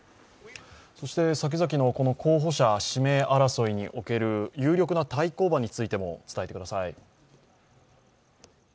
さきざきの候補者指名争いにおける有力な対抗馬についても伝えてください。